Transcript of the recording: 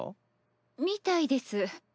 みたいです。